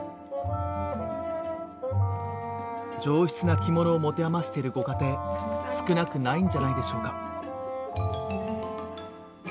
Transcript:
上質な着物を持て余しているご家庭少なくないんじゃないでしょうか？